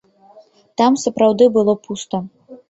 Там сапраўды было пуста.